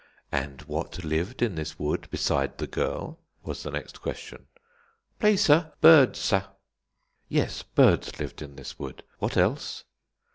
"And what lived in this wood beside the girl?" was the next question. "Please, sir, birds, sir." "Yes, birds lived in this wood. What else?"